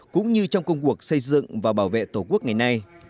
cũng như trong công cuộc xây dựng và bảo vệ tổ quốc ngày nay